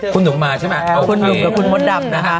คุณหยุ่งกับคุณมดดำนะคะ